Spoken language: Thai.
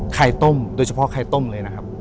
ไข่ต้มโดยเฉพาะไข่ต้มเลยนะครับ